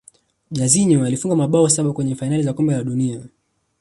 jairzinho alifunga mabao saba kwenye fainali za kombe la dunia